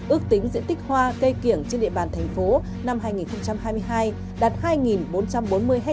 ước tính diện tích hoa cây kiểng trên địa bàn thành phố năm hai nghìn hai mươi hai đạt hai bốn trăm bốn mươi ha